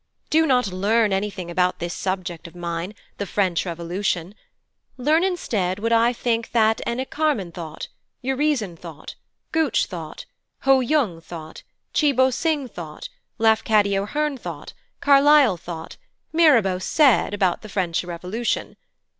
Do not learn anything about this subject of mine the French Revolution. Learn instead what I think that Enicharmon thought Urizen thought Gutch thought Ho Yung thought Chi Bo Sing thought Lafcadio Hearn thought Carlyle thought Mirabeau said about the French Revolution.